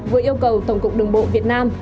vừa yêu cầu tổng cục đường bộ việt nam